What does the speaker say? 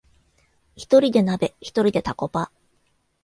ひとりで鍋、ひとりでタコパ